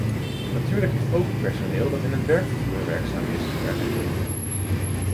Natuurlijk heeft ook het personeel dat in het wegvervoer werkzaam is, daar recht op.